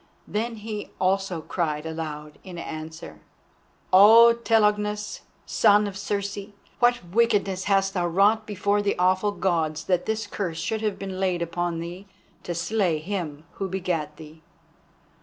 Then he also cried aloud in answer: "Oh, Telegonus, son of Circe, what wickedness hast thou wrought before the awful Gods that this curse should have been laid upon thee to slay him who begat thee?